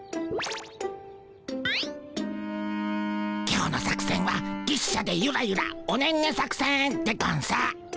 今日の作戦は牛車でゆらゆらおねんね作戦でゴンス。